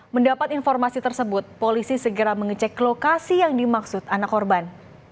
mendapat informasi tersebut polisi segera mengecek lokasi yang dimaksud anak korban